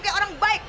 kayak orang baik